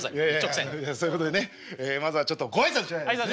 そういうことでねまずはちょっとご挨拶しないとですね。